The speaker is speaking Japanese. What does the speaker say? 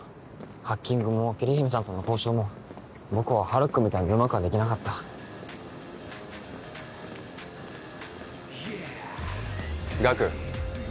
ハッキングも桐姫さんとの交渉も僕はハルくんみたいにうまくはできなかったガク